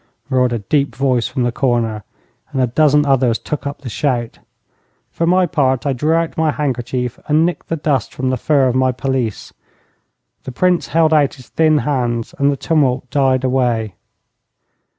roared a deep voice from the corner, and a dozen others took up the shout. For my part, I drew out my handkerchief and nicked the dust from the fur of my pelisse. The Prince held out his thin hands, and the tumult died away.